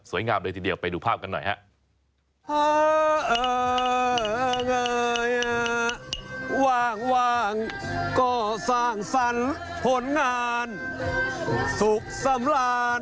งามเลยทีเดียวไปดูภาพกันหน่อยฮะ